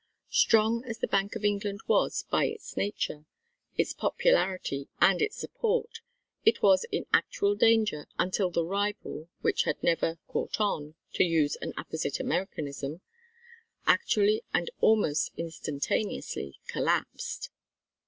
Strong as the Bank of England was by its nature, its popularity, and its support, it was in actual danger until the rival which had never "caught on" to use an apposite Americanism actually and almost instantaneously collapsed.